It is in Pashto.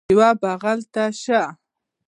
یوه بغل ته شه